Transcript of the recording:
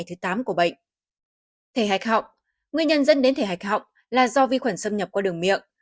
thể hạch họng nguyên nhân dẫn đến thể hạch họng là do vi khuẩn xâm nhập qua đường miệng